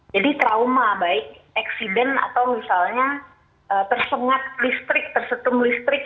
jadi trauma baik eksiden atau misalnya tersengat listrik tersetum listrik ya